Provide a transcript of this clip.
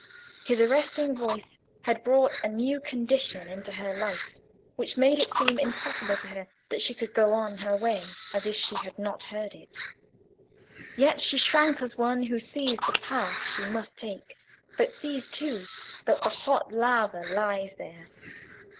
His arresting voice had brought a new condition into her life, which made it seem impossible to her that she could go on her way as if she had not heard it; yet she shrank as one who sees the path she must take, but sees, too, that the hot lava lies there.